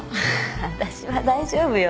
私は大丈夫よ。